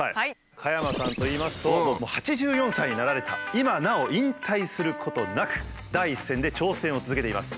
加山さんといいますと８４歳になられた今なお引退することなく第一線で挑戦を続けています。